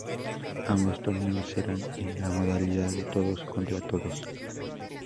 Ambos torneos serán en la modalidad de todos contra todos.